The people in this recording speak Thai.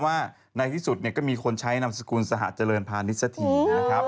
ว่านายที่สุดก็มีคนใช้นามสคุณสหาเจริญปาณีสธีนะครับ